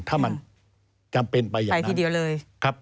ถ้ามันจำเป็นไปอย่างนั้นไปที่เดียวเลย